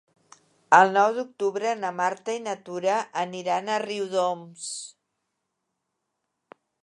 El nou d'octubre na Marta i na Tura aniran a Riudoms.